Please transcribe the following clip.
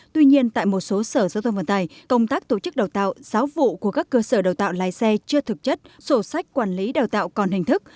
tuy nhiên tại một số sở giao thông vận tải công tác tổ chức đào tạo giáo vụ của các cơ sở đào tạo lái xe chưa thực chất sổ sách quản lý đào tạo còn hình thức